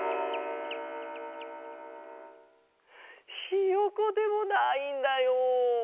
ひよこでもないんだよ。